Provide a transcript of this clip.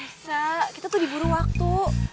bisa kita tuh diburu waktu